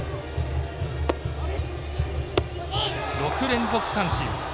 ６連続三振。